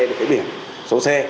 để cái biệt số xe